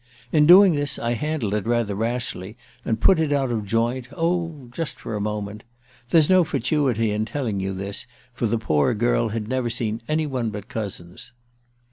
In doing this I handled it rather rashly, and put it out of joint oh, just for a moment! There's no fatuity in telling you this, for the poor girl had never seen any one but cousins